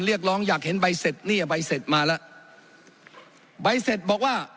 เรียกร้องอยากเห็นใบเสร็จเนี่ยใบเสร็จมาแล้วใบเสร็จบอกว่า